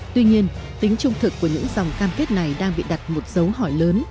tuy nhiên tính trung thực của những dòng cam kết này đang bị đặt một dấu hỏi lớn